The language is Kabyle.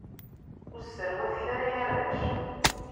Ur sserwatet ara ay arrac!